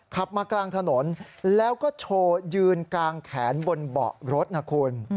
ขับมากลางถนนแล้วก็โชว์ยืนกลางแขนบนเบาะรถนะคุณ